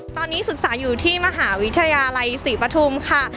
ตอนนี้ศึกษาอยู่ที่มหาวิทยาลัยศรีปฐุมค่ะ